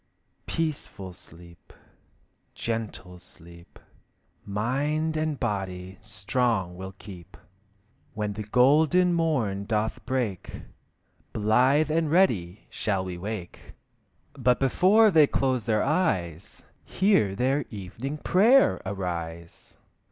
Peaceful sleep, gentle sleep, Mind and body strong will keep. When the golden morn doth break, Blithe and ready shall we wake. But before they close their eyes, Hear their evening prayer arise!